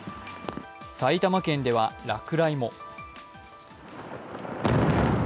埼玉県では落雷も。